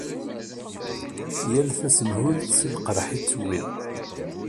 Yal tasemhuyt s lqerḥ i d-tewwi.